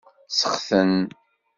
Sexten.